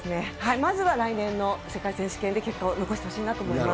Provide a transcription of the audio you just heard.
まずは来年の世界選手権で結果を残してほしいなと思っています。